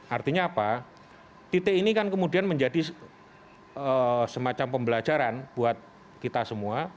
artinya apa titik ini kan kemudian menjadi semacam pembelajaran buat kita semua